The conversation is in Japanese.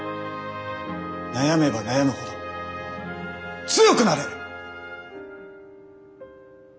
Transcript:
悩めば悩むほど強くなれる！